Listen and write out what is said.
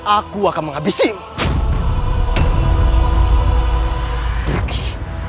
aku akan menghabisimu